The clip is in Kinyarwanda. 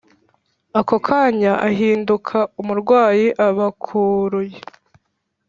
ako kanya ahinduka umurwayi abakuruye